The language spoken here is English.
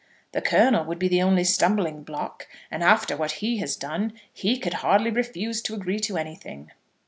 The Colonel would be the only stumbling block, and after what he has done, he could hardly refuse to agree to anything."